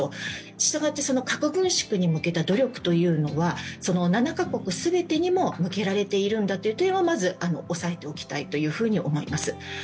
したがって核軍縮にむけた努力というのは７か国全てにも、向けられているんだという点はまずおさえておきたいと思います。